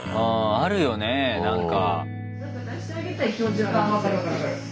あるよねなんか。